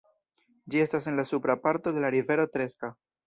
Ĝi estas en la supra parto de la rivero Treska.